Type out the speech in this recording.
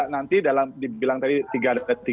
nanti dalam dibilang tadi